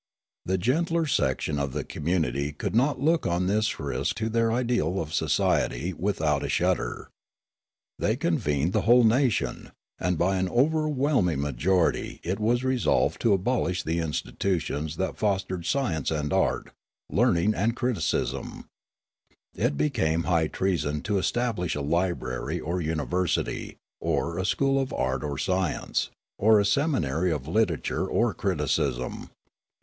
The gentler section of the community could not look on this risk to their ideal of societ\' without a shudder. They convened the whole nation, and by an overwhelming majority it was resolved to abolish the institutions that fostered science and art, learning and criticism ; it became high treason to establish a library or university, or a school of art or science, or a semin ary of literature or criticism.